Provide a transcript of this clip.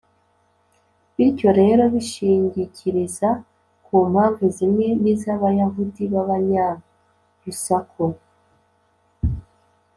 bityo rero, bishingikiriza ku mpamvu zimwe n’iz’abayahudi b’abanyarusaku